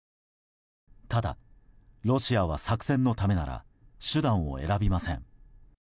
ただ、ロシアは作戦のためなら手段を選びません。